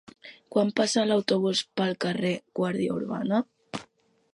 Quan passa l'autobús pel carrer Guàrdia Urbana?